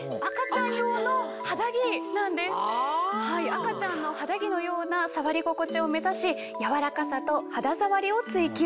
赤ちゃんの肌着のような触り心地を目指しやわらかさと肌触りを追求。